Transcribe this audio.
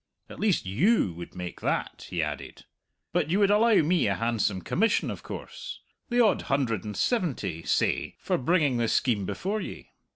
At least you would make that," he added, "but you would allow me a handsome commission of course the odd hundred and seventy, say for bringing the scheme before ye.